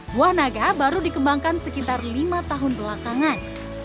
buah naga baru dikembangkan sekitar lima tahun belakangan